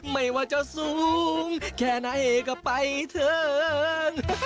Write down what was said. ไม่ว่าจะสูงแค่น้าเอก็ไปเถิง